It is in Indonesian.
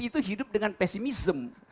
itu hidup dengan pesimism